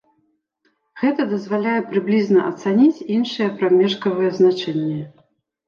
Гэта дазваляе прыблізна ацаніць іншыя прамежкавыя значэнні.